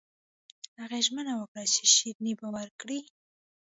هغې ژمنه وکړه چې شیریني به ورکړي